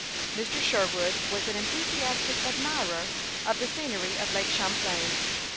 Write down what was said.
Mr. Sherwood was an enthusiastic admirer of the scenery of Lake Champlain.